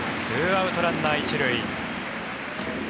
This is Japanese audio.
２アウト、ランナー１塁。